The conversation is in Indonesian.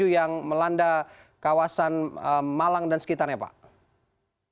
yang melanda kawasan malang dan sekitarnya pak